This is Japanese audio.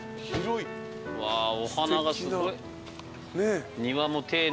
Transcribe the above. わお花がすごい。